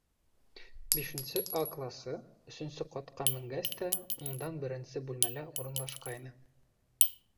Бишенсе «А» класы, өсөнсө ҡатҡа менгәс тә, уңдан беренсе бүлмәлә урынлашҡайны.